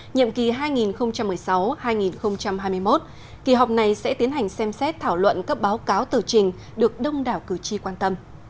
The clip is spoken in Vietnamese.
nhiệm kỳ hai nghìn một mươi sáu hai nghìn hai mươi một kỳ họp này sẽ tiến hành xem xét thảo luận các báo cáo tờ trình được đông đảo cử tri quan tâm